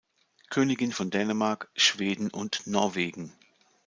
Königin von Dänemark, Schweden und Norwegen.